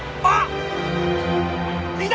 あっ！